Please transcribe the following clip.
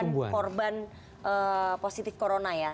korban positif corona ya